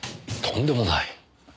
とんでもない。